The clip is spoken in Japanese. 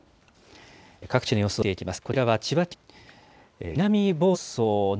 各地の様子を見ていきます。